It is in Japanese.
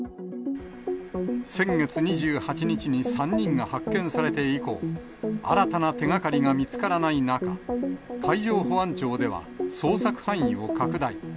先月２８日に３人が発見されて以降、新たな手がかりが見つからない中、海上保安庁では、捜索範囲を拡大。